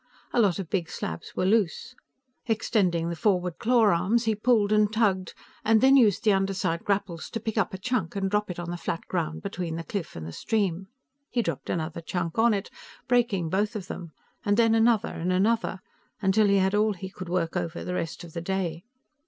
A lot of big slabs were loose. Extending the forward claw arms, he pulled and tugged, and then used the underside grapples to pick up a chunk and drop it on the flat ground between the cliff and the stream. He dropped another chunk on it, breaking both of them, and then another and another, until he had all he could work over the rest of the day.